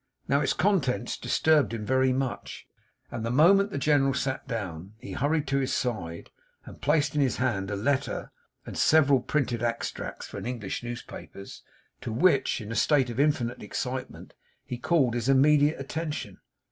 Now, its contents disturbed him very much, and the moment the General sat down, he hurried to his side, and placed in his hand a letter and several printed extracts from English newspapers; to which, in a state of infinite excitement, he called his immediate attention.